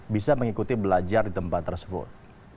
bisa mengikuti belajar di tempat tersebut